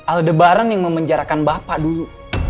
aldebaran yang memenjarakan bapak dulu